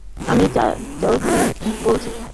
আমি চার্লি বলছি।